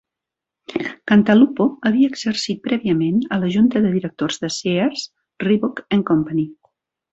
Cantalupo havia exercit prèviament a la junta de directors de Sears, Roebuck and Company.